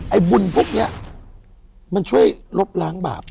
บุญพวกนี้มันช่วยลบล้างบาป